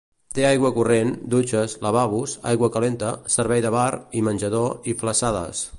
Té aigua corrent, dutxes, lavabos, aigua calenta, servei de bar i menjador i flassades.